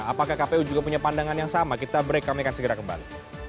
apakah kpu juga punya pandangan yang sama kita break kami akan segera kembali